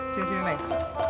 sini sini neng